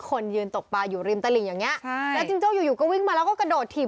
คนยืนตกปลาอยู่ริมตลิ่งอย่างเงี้ใช่แล้วจิงโจ้อยู่อยู่ก็วิ่งมาแล้วก็กระโดดถีบ